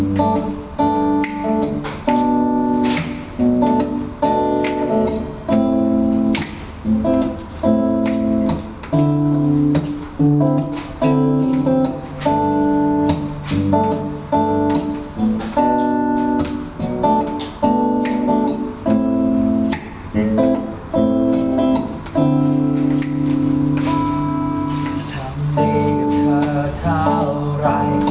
ธรรมดีกับเธอเท่าไหร่